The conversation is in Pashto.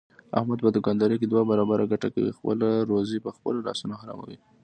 احمد په دوکاندارۍ کې دوه برابره ګټه کوي، خپله روزي په خپلو لاسونو حراموي.